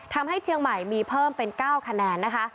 ทำให้เชียงใหม่มีเพิ่มเป็น๙คะแนนนะคะ